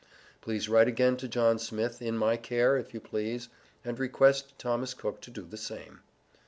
Please write again to John Smith, in my care, if you please, and request Thomas Cook to do the same.